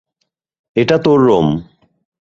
এটা তোর রুম।